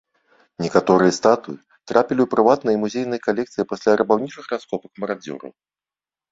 Некаторыя статуі трапілі ў прыватныя і музейныя калекцыі пасля рабаўнічых раскопак марадзёраў.